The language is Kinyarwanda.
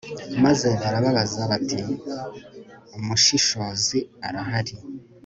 maze barababaza bati umushishozi arahari